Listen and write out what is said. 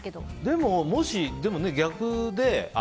でももし逆で。